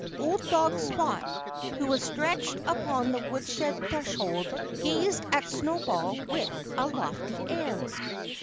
Old dog Spot, who was stretched upon the woodshed threshold, gazed at Snowball with a lofty air.